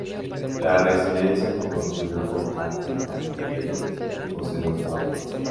La residencia se construyó con planta en forma de L y posee dos torres.